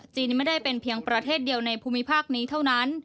ไม่ได้เป็นเพียงประเทศเดียวในภูมิภาคนี้เท่านั้น